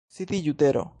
Disiĝu, tero!